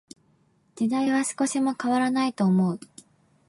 時代は少しも変らないと思う。